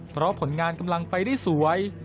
เพราะผลงานกำลังไปได้สวย